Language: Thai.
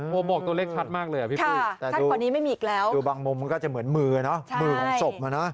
โหมกตัวเล็กชัดมากเลยอ่ะพี่ฟุ้ยแต่ดูบางมุมมันก็จะเหมือนมืออ่ะเนาะมือของศพอ่ะเนาะ